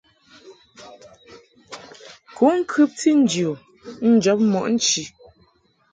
Kuʼ ŋkɨbti nji u njɔb mɔʼ nchi.